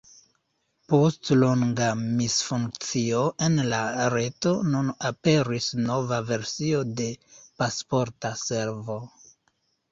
Post longa misfunkcio en la reto nun aperis nova versio de Pasporta Servo.